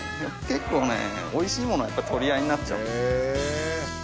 結構ねおいしいものはやっぱり取り合いになっちゃうんです。